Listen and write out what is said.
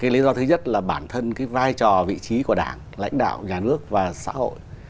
lý do thứ nhất là bản thân vai trò vị trí của đảng lãnh đạo nhà nước và xã hội